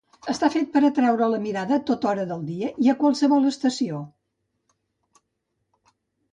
Està fet per atreure la mirada a tota hora del dia i a qualsevol estació.